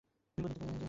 কোন দিক থেকে শুনি?